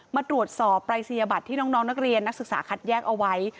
มาตรวจสอบปรายศนียบัตรที่น้องนักเรียนนักศึกษาคัดแยกเอาไว้